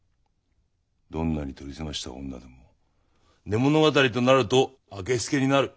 どんなに取り澄ました女でも寝物語となるとあけすけになる。